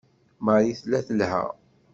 Marie tella telha.